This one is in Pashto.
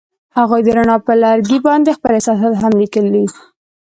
هغوی د رڼا پر لرګي باندې خپل احساسات هم لیکل.